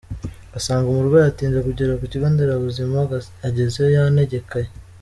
Ugasanga umurwayi atinze kugera ku kigo nderabuzima, agezeyo yanegekaye.